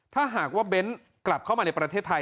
ถ้าหากว่าเบ้นกลับเข้ามาในประเทศไทย